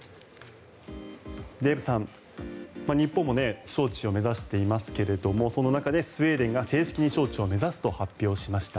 デーブさん日本も招致を目指していますがその中でスウェーデンが正式に招致を目指すと発表しました。